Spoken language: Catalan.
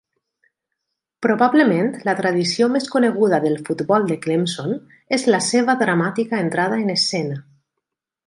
Probablement la tradició més coneguda del futbol de Clemson és la seva dramàtica entrada en escena.